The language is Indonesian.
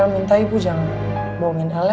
el minta ibu jangan bohongin el ya